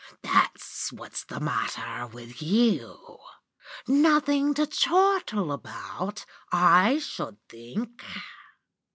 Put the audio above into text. That's what's the matter with you. Nothing to chortle about, I should think?